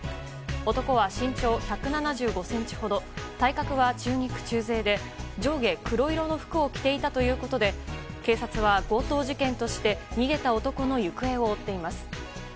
男は、身長１７５ｃｍほど体格は中肉中背で上下黒色の服を着ていたということで警察は、強盗事件として逃げた男の行方を追っています。